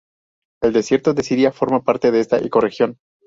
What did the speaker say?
El desierto de Siria forma parte de esta ecorregión.